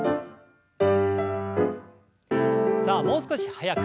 さあもう少し早く。